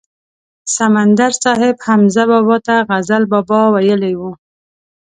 سمندر صاحب حمزه بابا ته غزل بابا ویلی و.